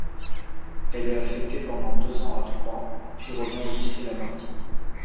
Elle est affectée pendant deux ans à Troyes, puis revient au lycée Lamartine.